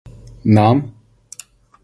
نام؟